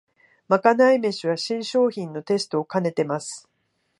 まかない飯は新商品のテストをかねてます